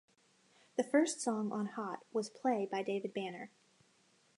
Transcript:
The first song on "Hot" was "Play" by David Banner.